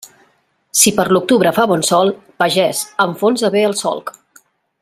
Si per l'octubre fa bon sol, pagès, enfonsa bé el solc.